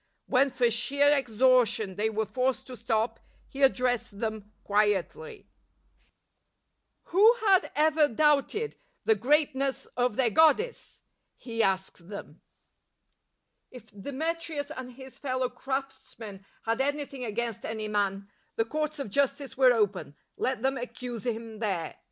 When for sheer exhaustion they were forced to stop, he addressed then! quietly. goddess ? he asked them. If Demetrius and his fellow craftsmen had anything against any man, the courts of justice were open ; let them accuse him there.